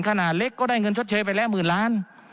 ขนาดเล็กก็ได้เงินชดเชยไปแล้วหมื่นล้าน